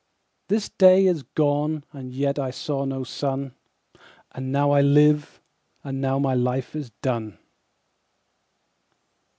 5The day is gone and yet I saw no sun,6And now I live, and now my life is done.